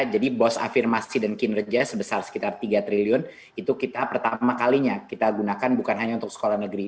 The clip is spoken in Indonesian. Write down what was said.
jadi bos afirmasi dan kinerja sebesar sekitar tiga triliun itu kita pertama kalinya kita gunakan bukan hanya untuk sekolah negeri